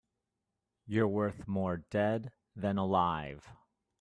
You're worth more dead than alive.